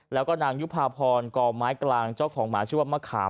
แล้วก็นางยุภาพรก่อไม้กลางเจ้าของหมาชื่อว่ามะขาม